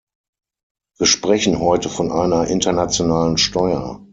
Wir sprechen heute von einer internationalen Steuer.